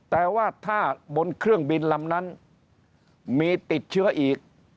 แต่ว่าถ้าบนเครื่องบินลำนั้นมีติดเชื้ออีก